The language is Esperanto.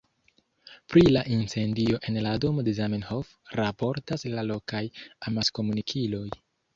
Pri la incendio en la domo de Zamenhof raportas la lokaj amaskomunikiloj.